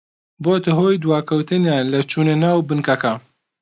بۆتە هۆی دواکەوتنیان لە چوونە ناو بنکەکە